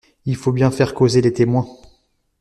Il faut bien faire causer les témoins.